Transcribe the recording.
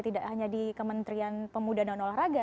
tidak hanya di kementerian pemuda dan olahraga